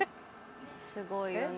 すごいよね。